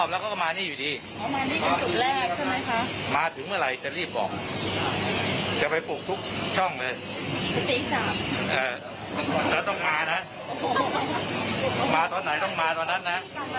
แล้วต้องมานะมาตอนไหนต้องมาตอนนั้นนะ